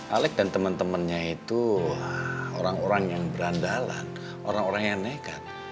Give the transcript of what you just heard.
alec dan temen temennya itu orang orang yang berandalan orang orang yang nekat